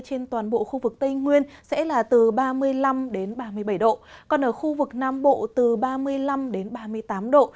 trên toàn bộ khu vực tây nguyên sẽ là từ ba mươi năm ba mươi bảy độ còn ở khu vực nam bộ từ ba mươi năm đến ba mươi tám độ